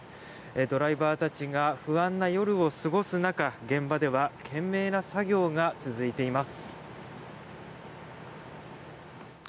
ドライバーたちが不安な夜を過ごす中現場では懸命な作業が続いています。